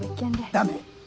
ダメ！